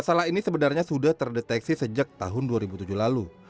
masalah ini sebenarnya sudah terdeteksi sejak tahun dua ribu tujuh lalu